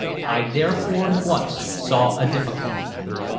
I therefore at once saw a difficulty.